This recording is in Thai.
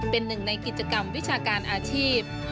เป็นหนึ่งในกิจกรรมวิชาการอาชีพ